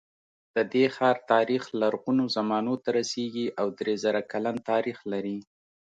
د دې ښار تاریخ لرغونو زمانو ته رسېږي او درې زره کلن تاریخ لري.